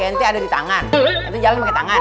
kaki ente ada di tangan ente jangan pake tangan